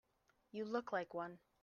You look like one.